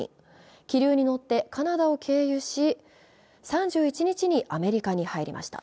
気流に乗ってカナダを経由し３１日にアメリカに入りました。